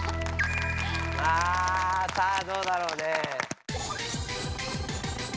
あさあどうだろうね？